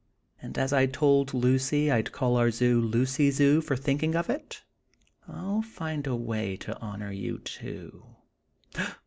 And as I told Lucy I'd call our zoo Lucy Zoo for thinking of it, I'll find a way to honor you, too.